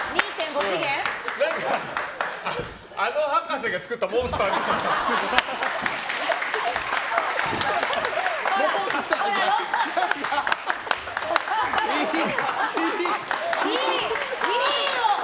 あの博士が作ったモンスターみたいな。